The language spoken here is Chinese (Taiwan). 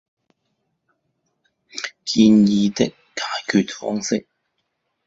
建議的解決方式